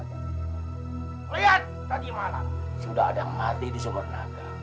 lihat tadi malam sudah ada yang mati di sumber naga